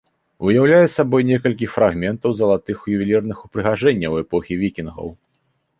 Уяўляе сабой некалькі фрагментаў залатых ювелірных упрыгажэнняў эпохі вікінгаў.